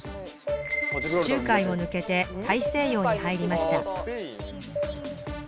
地中海を抜けて大西洋に入りました